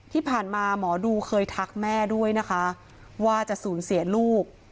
ที่ผ่านมาหมอดูเคยทักแม่ด้วยนะคะว่าจะสูญเสียลูก